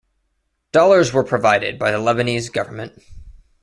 Dollars were provided by the Lebanese government.